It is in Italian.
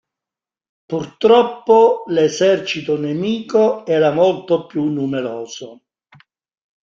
Purtroppo l'esercito nemico era molto più numeroso.